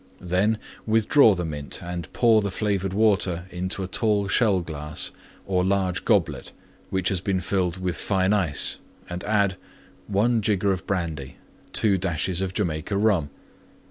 Then withdraw the Mint and pour the flavored Water into a tall Shell glass or large Goblet, which has been filled with fine Ice, and add: 1 jigger of Brandy. 2 dashes Jamaica Rum.